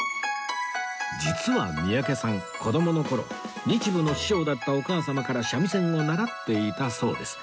実は三宅さん子供の頃日舞の師匠だったお母様から三味線を習っていたそうです